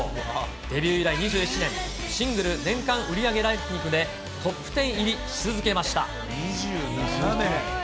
デビュー以来２７年、シングル年間売り上げランキングでトップ１０入りし続けました。